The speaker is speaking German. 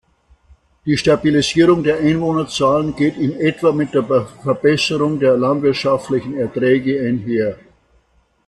Die Stabilisierung der Einwohnerzahlen geht in etwa mit der Verbesserung der landwirtschaftlichen Erträge einher.